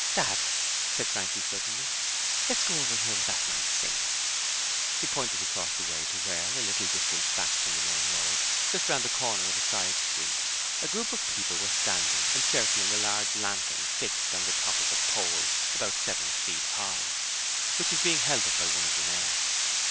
'Dad,' said Frankie, suddenly, 'let's go over and hear what that man's saying.' He pointed across the way to where a little distance back from the main road, just round the corner of a side street a group of people were standing encircling a large lantern fixed on the top of a pole about seven feet high, which was being held by one of the men.